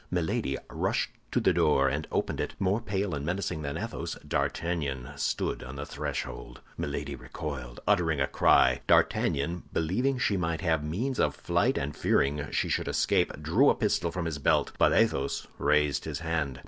Milady rushed to the door and opened it. More pale and menacing than Athos, D'Artagnan stood on the threshold. Milady recoiled, uttering a cry. D'Artagnan, believing she might have means of flight and fearing she should escape, drew a pistol from his belt; but Athos raised his hand.